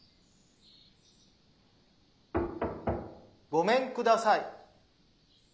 ・ごめんください。